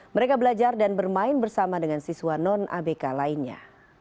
mereka belajar dan bermain bersama dengan siswa non abk lainnya